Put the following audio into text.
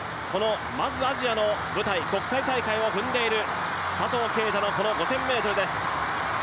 まずアジアの舞台国際大会を踏んでいる佐藤圭汰の、この５０００ｍです。